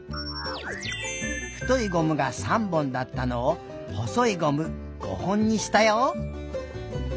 太いゴムが３本だったのを細いゴム５本にしたよ。